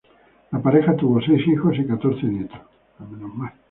La pareja tuvo seis hijos y catorce nietos.